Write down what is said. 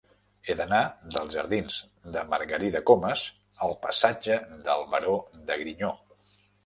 He d'anar dels jardins de Margarida Comas al passatge del Baró de Griñó.